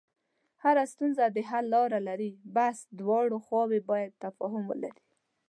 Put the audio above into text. هره ستونزه د حل لاره لري، بس دواړه خواوې باید تفاهم ولري.